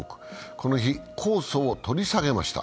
この日、控訴を取り下げました。